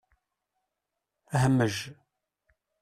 Hmej!